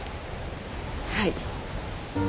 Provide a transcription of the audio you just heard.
はい。